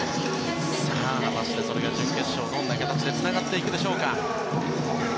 さあ、果たしてそれが準決勝にどんな形でつながっていくでしょうか。